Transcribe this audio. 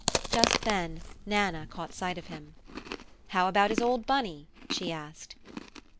Just then Nana caught sight of him. "How about his old Bunny?" she asked.